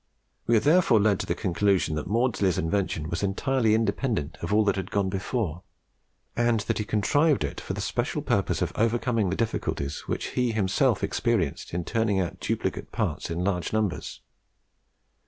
We are therefore led to the conclusion that Maudslay's invention was entirely independent of all that had gone before, and that he contrived it for the special purpose of overcoming the difficulties which he himself experienced in turning out duplicate parts in large numbers.